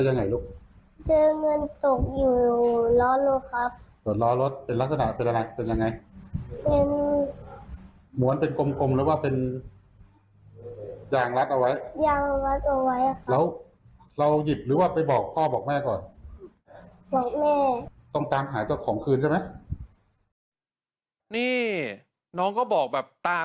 นี่น้องก็บอกตาซื้อต้องชิวนะ